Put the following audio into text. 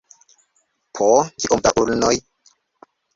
Po kiom da ulnoj?